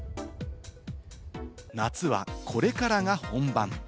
夏はこれからが本番。